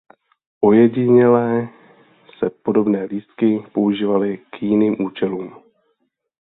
Ojediněle se podobné lístky používaly k jiným účelům.